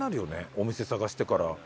お店探してから。